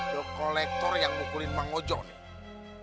itu kolektor yang mukulin bang ojo nih